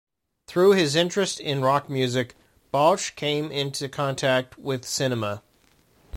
Through his interest in rock music, Bausch came into contact with cinema.